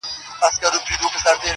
چي ویل به مي سبا درڅخه ځمه -